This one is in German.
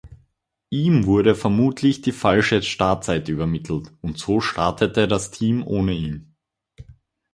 Ihm wurde vermutlich die falsche Startzeit übermittelt und so startete das Team ohne ihn.